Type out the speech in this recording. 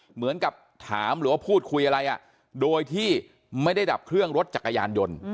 เหมือนกับถามหรือว่าพูดคุยอะไรโดยที่ไม่ได้ดับเครื่องรถจักรยานยนต์